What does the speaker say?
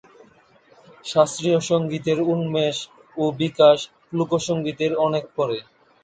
শাস্ত্রীয় সঙ্গীতের উন্মেষ ও বিকাশ লোকসঙ্গীতের অনেক পরে।